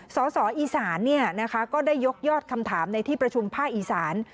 สอิสานนะคะก็ได้ยกยอดคำถามในที่ประชุมผ้าอิสาน